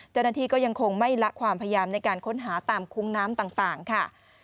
เจ้าหน้าที่ก็ยังคงไม่ละความพยายามในการค้นหาตามคุ้งน้ำต่างค่ะ